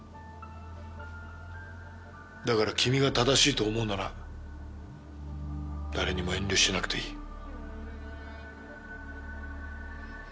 だから君が正しいと思うなら誰にも遠慮しなくていい。